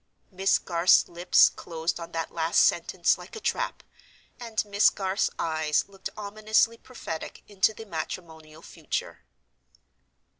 Miss Garth's lips closed on that last sentence like a trap, and Miss Garth's eyes looked ominously prophetic into the matrimonial future.